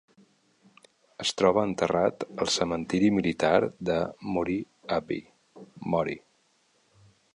Es troba enterrat al cementiri militar de Morey Abbey, Mory.